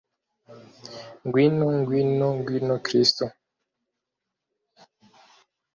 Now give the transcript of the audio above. ngwino, ngwino, ngwino kristu